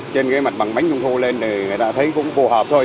trên cái mặt bằng bánh trung thu lên thì người ta thấy cũng phù hợp thôi